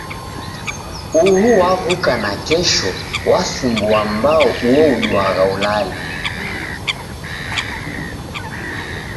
Uhu waw'uka nakesho wasumbua mbao uo uduagha ulale.